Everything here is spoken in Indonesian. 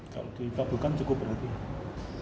kalau dikabulkan cukup berarti